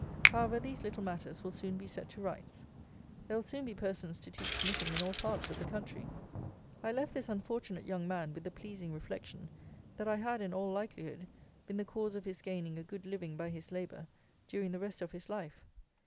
However, these little matters will soon be set to rights. There will soon be persons to teach knitting in all parts of the country. I left this unfortunate young man with the pleasing reflection that I had, in all likelihood, been the cause of his gaining a good living, by his labour, during the rest of his life.